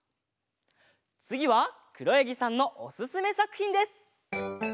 つぎはくろやぎさんのおすすめさくひんです。